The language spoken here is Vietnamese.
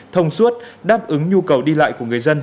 thông suốt đáp ứng nhu cầu đi lại của người dân